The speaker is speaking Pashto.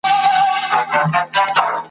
چي هر چا ته وي دولت وررسېدلی ..